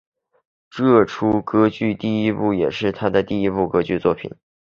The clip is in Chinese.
这出歌剧的第一部也是他第一部歌剧作品。